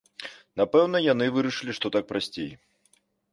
Напэўна, яны вырашылі, што так прасцей.